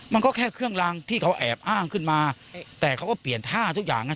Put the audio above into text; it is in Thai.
มันก็แค่เครื่องรางที่เขาแอบอ้างขึ้นมาแต่เขาก็เปลี่ยนท่าทุกอย่างนะ